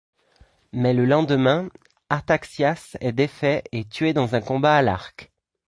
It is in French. Mais le lendemain, Artaxias est défait et tué dans un combat à l'arc.